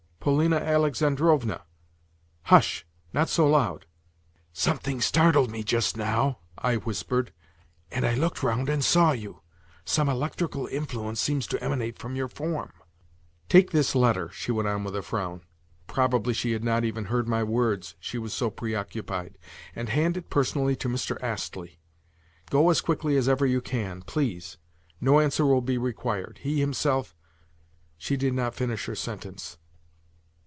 "Polina Alexandrovna!" "Hush! Not so loud." "Something startled me just now," I whispered, "and I looked round, and saw you. Some electrical influence seems to emanate from your form." "Take this letter," she went on with a frown (probably she had not even heard my words, she was so preoccupied), "and hand it personally to Mr. Astley. Go as quickly as ever you can, please. No answer will be required. He himself—" She did not finish her sentence.